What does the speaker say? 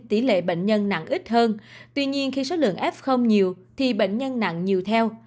tỷ lệ bệnh nhân nặng ít hơn tuy nhiên khi số lượng f không nhiều thì bệnh nhân nặng nhiều theo